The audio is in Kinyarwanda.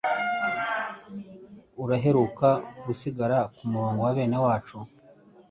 Uraheruka gusigara kumurongo wa bene wacu